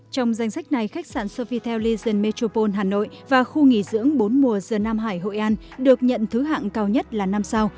trong danh sách này khách sạn sovietellishen metropole hà nội và khu nghỉ dưỡng bốn mùa dền nam hải hội an được nhận thứ hạng cao nhất là năm sao